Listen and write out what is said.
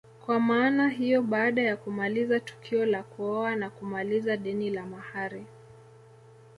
Kwa maana hiyo baada ya kumaliza tukio la kuoa na kumaliza deni la mahari